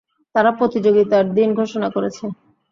তারা প্রতিযোগিতার দিন ঘোষণা করেছে।